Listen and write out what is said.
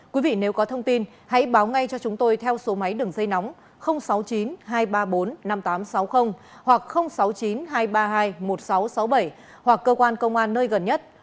quý vị nếu có thông tin hãy báo ngay cho chúng tôi theo số máy đường dây nóng sáu mươi chín hai trăm ba mươi bốn năm nghìn tám trăm sáu mươi hoặc sáu mươi chín hai trăm ba mươi hai một nghìn sáu trăm sáu mươi bảy hoặc cơ quan công an nơi gần nhất